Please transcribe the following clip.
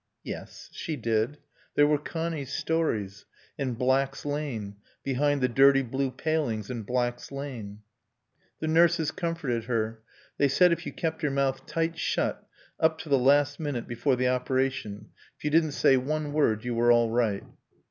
Yes. She did. There were Connie's stories. And Black's Lane. Behind the dirty blue palings in Black's Lane. The nurses comforted her. They said if you kept your mouth tight shut, up to the last minute before the operation, if you didn't say one word you were all right.